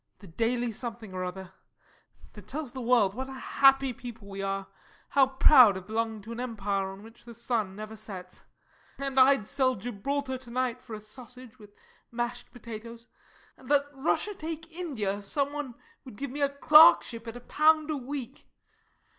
_] The Daily Something or other that tells the world what a happy people we are how proud of belonging to an Empire on which the sun never sets. And I'd sell Gibraltar to night for a sausage with mashed potatoes; and let Russia take India if some one would give me a clerkship at a pound a week.